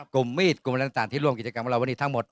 กลุ่มมีดกลุ่มอะไรต่างที่ร่วมกิจกรรมของเราวันนี้ทั้งหมด